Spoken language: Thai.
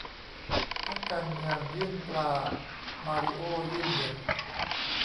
นักการเมืองยื่นปลา มาริโอ้ยื่นเห็ด ?